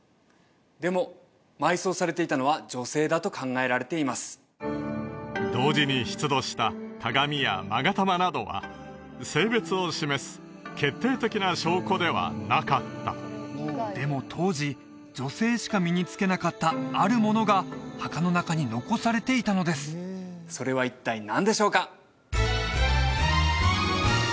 でも埋葬されていたのは女性だと考えられています同時に出土した鏡や勾玉などは性別を示す決定的な証拠ではなかったでも当時女性しか身につけなかったあるものが墓の中に残されていたのですそれは一体何でしょうか？